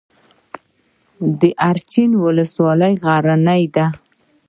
د اچین ولسوالۍ غرنۍ ده